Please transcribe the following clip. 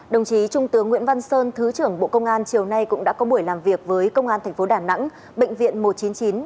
đồng chí trung tướng nguyễn văn sơn thứ trưởng bộ công an chiều nay cũng đã có buổi làm việc với công an tp đà nẵng bệnh viện một trăm chín mươi chín